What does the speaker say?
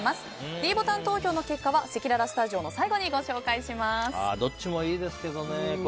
ｄボタン投票の結果はせきららスタジオの最後にどっちもいいですけどね。